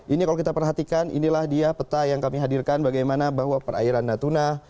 ini kalau kita perhatikan inilah dia peta yang kami hadirkan bagaimana bahwa perairan natuna